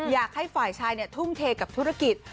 อยากให้ฝ่ายชายทุ่มเทกับธุรกิจ